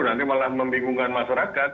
nanti malah membingungkan masyarakat